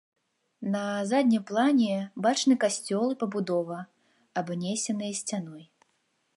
На заднім плане бачны касцёл і пабудовы, абнесеныя сцяной.